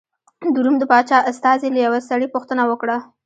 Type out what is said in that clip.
د روم د پاچا استازي له یوه سړي پوښتنه وکړه.